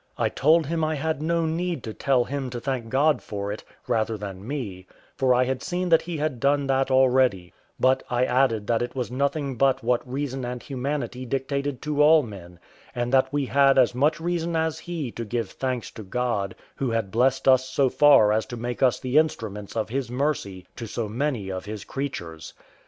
I told him I had no need to tell him to thank God for it, rather than me, for I had seen that he had done that already; but I added that it was nothing but what reason and humanity dictated to all men, and that we had as much reason as he to give thanks to God, who had blessed us so far as to make us the instruments of His mercy to so many of His creatures.